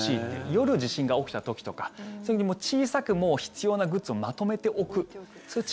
夜、地震が起きた時とか小さく必要なグッズをまとめておく。